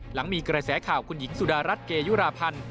หลังมีกระแสข่าวคุณหญิงสุดารัฐเกยุราพันธ์